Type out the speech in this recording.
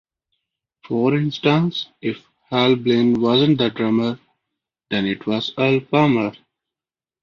For instance, if Hal Blaine wasn't the drummer, then it was Earl Palmer.